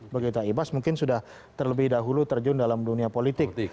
begitu ibas mungkin sudah terlebih dahulu terjun dalam dunia politik